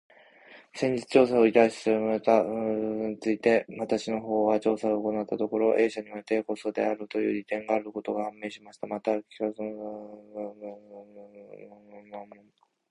先日調査を依頼されていました外注先について、私の方で調査を行ったところ、A 社には低コストであるという利点があることが判明しました。また、企画から開発まですべてを任せることができるというメリットもありました。ちなみにシステム完成後もメンテナンス対応できるとのことです。